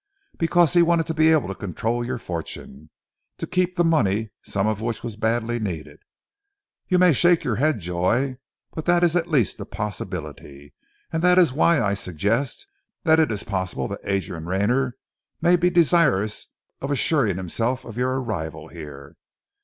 Because he wanted to be able to control your fortune, to keep the money, some of which was badly needed. You may shake your head, Joy, but that is at least a possibility; and that is why I suggest that it is possible that Adrian Rayner may be desirous of assuring himself of your arrival here.